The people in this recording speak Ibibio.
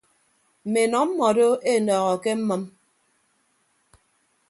Mme enọ mmọdo enọọho ke mmʌm.